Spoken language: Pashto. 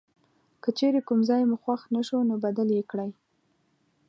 که چیرې کوم ځای مو خوښ نه شو نو بدل یې کړئ.